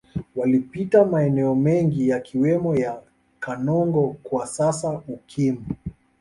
Walipita maeneo mengi yakiwemo ya Kanongo kwa sasa Ukimbu